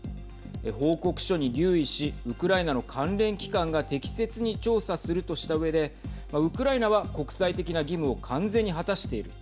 報告書に留意しウクライナの関連機関が適切に調査するとしたうえでウクライナは国際的な義務を完全に果たしている。